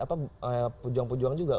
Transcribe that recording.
apa pujuang pujuang juga